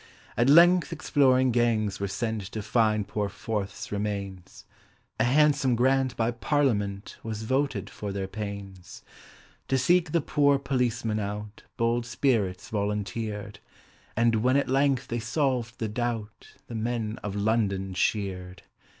At length exploring gangs were sent To find poor FORTH'S remains A handsome grant by Parliament Was voted for their pains. To seek the poor policeman out Bold spirits volunteered, And when at length they solved the doubt The Men of London cheered.